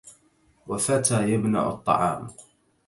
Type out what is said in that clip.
وفتى يمنع الطعام